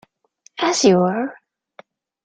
As you were!